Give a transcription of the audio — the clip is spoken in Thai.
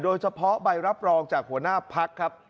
โดยเฉพาะใบรับรองจากหัวหน้าพักครับ